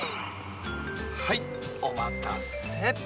はいおまたせ！